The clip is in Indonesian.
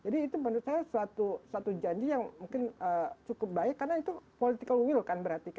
jadi itu menurut saya suatu janji yang cukup baik karena itu political will berarti